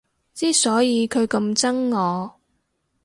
之所以佢咁憎我